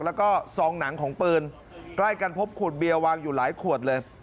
แล้วก็ซองหนังของปืนใกล้กันพบขวดเบียร์วางอยู่หลายขวดเลย